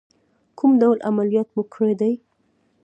کوم ډول عملیات مو کړی دی؟